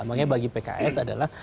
makanya bagi pks adalah